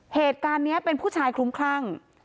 เหตุการณ์นี้เป็นผู้ชายคลุ้มคลั่ง